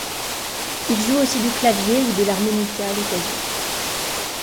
Il joue aussi du clavier ou de l'harmonica à l'occasion.